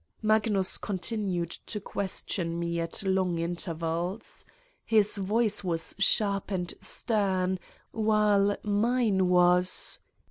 Magnus continued to question me at long in tervals. His voice was sharp and stern, while mine was